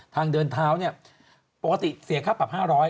ทางเดินท้าวปกติเสียค่าปรับ๕๐๐